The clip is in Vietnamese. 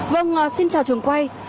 vâng xin chào chúng tôi